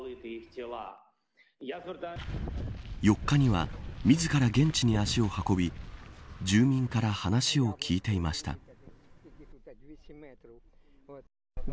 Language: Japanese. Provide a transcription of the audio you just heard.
４日には、自ら現地に足を運び住民から話を聞いていました。